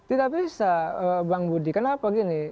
tidak bisa bang budi kenapa gini